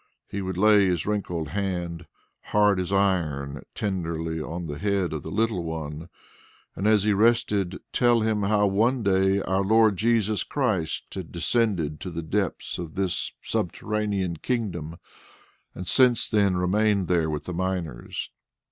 He would lay his wrinkled hand, hard as iron, tenderly on the head of the little one, and, as he rested, tell him how one day our Lord Jesus Christ had descended to the depths of this subterranean kingdom, and since then remained there with the miners.